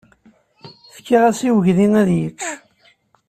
Fkiɣ-as i uydi ad yečč.